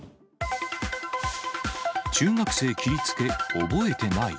中学生切りつけ、覚えてない。